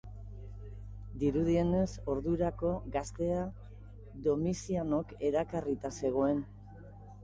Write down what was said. Dirudienez, ordurako, gaztea Domizianok erakarrita zegoen.